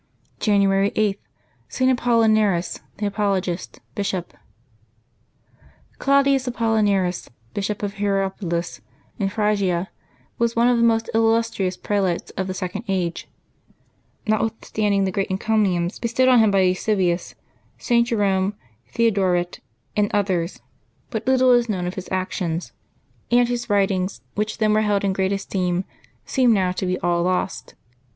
January 8.— ST. APOLLINARIS, THE APOLO GIST, Bishop. CLAUDIUS Apollinaris, Bishop of Hierapolis in Phrygia, was one of the most illustrious prelates of the second age. Notwithstanding the great encomiums bestowed on him by Eusebius, St. Jerome, Theodoret, and others, but little is known of his actions; and his writ 30 LIVES OF THE SAINTS [January 9 ings, which then were held in great esteem, seem now to be all lost.